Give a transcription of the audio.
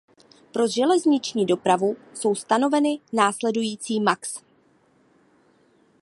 Pro železniční dopravu jsou stanoveny následující max.